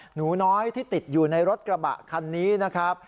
หนูน้อยที่ติดอยู่ในรถกระบะคันนี้นะครับ